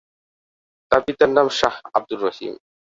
তার পিতার নাম শাহ্ আব্দুর রহিম।